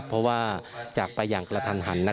เพราะว่าจากไปอย่างกระทันหัน